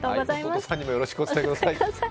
弟さんにもよろしくお伝えください。